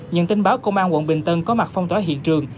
nhận tin báo công an quận bình tân có mặt phong tỏa hiện trường